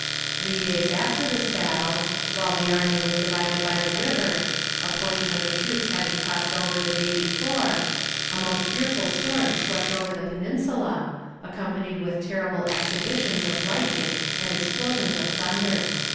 Three days after this battle, while the army was divided by the river, a portion of the troops having crossed over the day before, a most fearful storm swept over the Peninsula, accompanied with terrible exhibitions of lightning and explosions of thunder.